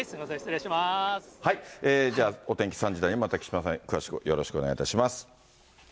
じゃあ、お天気３時台に、また木島さん、詳しくお願いいたします。